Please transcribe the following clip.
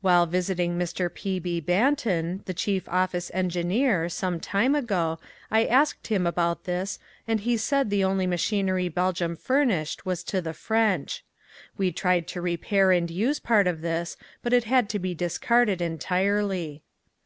While visiting Mr. P. B. Banton, the chief office engineer, some time ago I asked him about this and he said the only machinery Belgium furnished was to the French. We tried to repair and use part of this but it had to be discarded entirely.